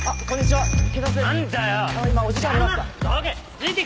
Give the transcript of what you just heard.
はい！